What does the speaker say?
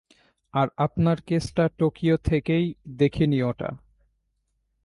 আর আপনার কেসটা, টোকিও থেকেই দেখিনি ওটা।